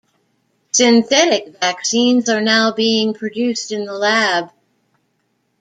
Synthetic vaccines are now being produced in the lab.